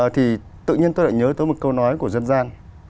thì tự nhiên tôi lại nhớ tới một câu nói của dân gian